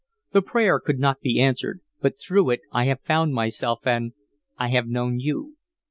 The prayer could not be answered; but through it I have found myself and I have known you.